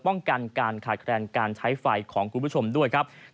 ป้องกันการขาดแคลนการใช้ไฟของคุณผู้ชมด้วยครับ